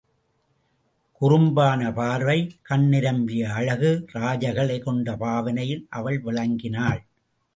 குறும்பான பார்வை, கண் நிரம்பிய அழகு ராஜகளை கொண்ட பாவனையில் அவள் விளங்கினாள்.